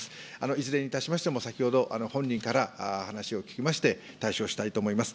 いずれにいたしましても先ほど本人から話を聞きまして、対処したいと思います。